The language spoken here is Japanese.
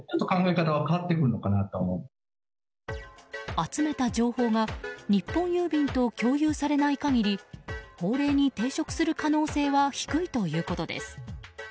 集めた情報が日本郵便と共有されない限り法令に抵触する可能性は低いということです。